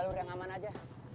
jalur yang aman aja